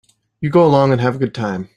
You go along and have a good time.